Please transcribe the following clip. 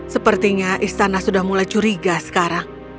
sepertinya istana sudah mulai curiga sekarang